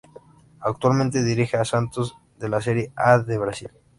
Actualmente dirige a Santos de la Serie A de Brasil.